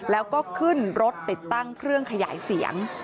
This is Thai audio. แล้วก็ขึ้นรถติดตั้งเครื่องขยายเสียง